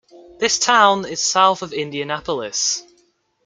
This town is south of Indianapolis.